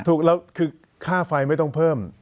ถูกค่าไฟไม่ต้องเพิ่ม